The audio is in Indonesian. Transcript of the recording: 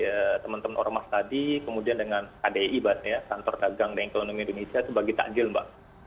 kadang gabungan antara teman teman ormas tadi kemudian dengan kdi mbak ya santor dagang dan ekonomi indonesia itu bagi takjil mbak